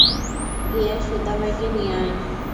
গিয়ে সুদালাইকে নিয়ে আয়।